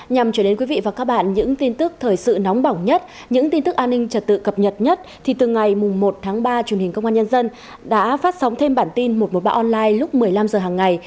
nhằm trở đến quý vị và các bạn những tin tức thời sự nóng bỏng nhất những tin tức an ninh trật tự cập nhật nhất thì từ ngày một tháng ba truyền hình công an nhân dân đã phát sóng thêm bản tin một trăm một mươi ba online lúc một mươi năm h hàng ngày